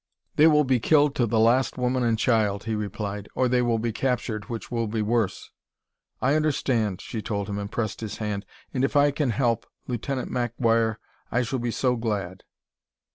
"They will be killed to the last woman and child," he replied, "or they will be captured, which will be worse." "I understand," she told him, and pressed his hand; "and if I can help, Lieutenant Mack Guire, I shall be so glad."